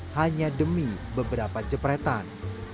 hanya demi beberapa jepretan